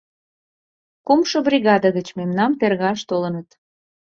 — Кумшо бригаде гыч мемнам тергаш толыныт.